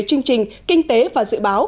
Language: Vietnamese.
chương trình kinh tế và dự báo